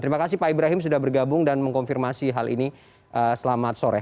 terima kasih pak ibrahim sudah bergabung dan mengkonfirmasi hal ini selamat sore